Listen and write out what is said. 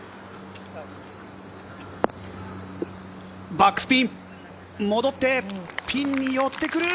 バックスピン、戻ってピンに寄ってくる。